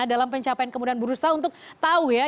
dalam pencapaian kemudian berusaha untuk tahu ya